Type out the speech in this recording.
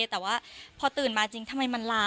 แต่ว่าพอตื่นมาจริงทำไมมันลา